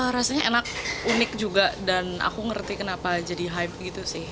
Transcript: rasanya enak unik juga dan aku ngerti kenapa jadi hype gitu sih